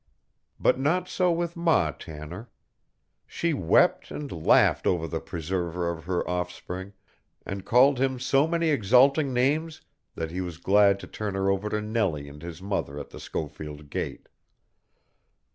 But not so with Ma Tanner. She wept and laughed over the preserver of her offspring, and called him so many exalting names that he was glad to turn her over to Nellie and his mother at the Schofield gate.